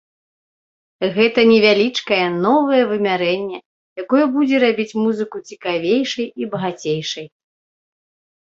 Гэта невялічкае новае вымярэнне, якое будзе рабіць музыку цікавейшай і багацейшай.